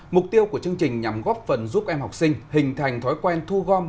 mục tiêu của chương trình nhằm góp phần giúp em học sinh hình thành thói quen thu gom